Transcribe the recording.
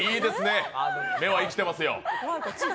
目は生きてますよ。